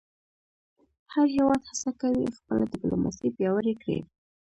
هر هېواد هڅه کوي خپله ډیپلوماسي پیاوړې کړی.